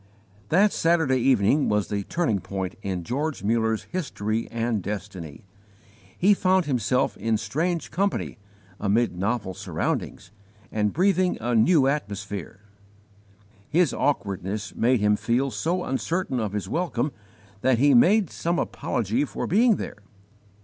That Saturday evening was the turning point in George Muller's history and destiny. He found himself in strange company, amid novel surroundings, and breathing a new atmosphere. His awkwardness made him feel so uncertain of his welcome that he made some apology for being there.